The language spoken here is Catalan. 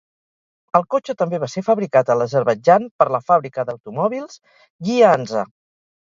El cotxe també va ser fabricat a l'Azerbaidjan per la fàbrica d'automòbils Gyandzha.